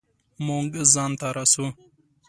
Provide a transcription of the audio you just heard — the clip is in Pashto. مونږ ځان ته رسو